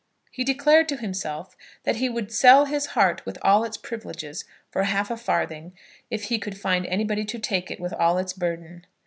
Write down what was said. He declared to himself that he would sell his heart with all its privileges for half a farthing, if he could find anybody to take it with all its burden.